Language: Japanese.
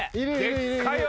でっかいよ。